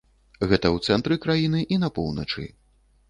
Гэта ў цэнтры краіны і на поўначы.